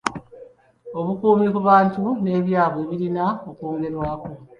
Obukuumi ku bantu n'ebyabwe birina okwongerwako.